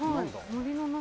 森の中。